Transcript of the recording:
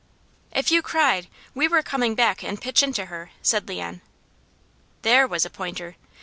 "If you cried, we were coming back and pitch into her," said Leon. There was a pointer.